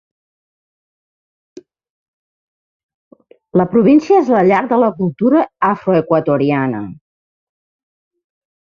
La província és la llar de la cultura afroequatoriana.